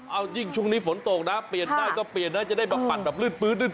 เอายิ่งช่วงนี้ฝนตกนะเปลี่ยนได้ก็เปลี่ยนนะจะได้แบบปัดแบบลื่น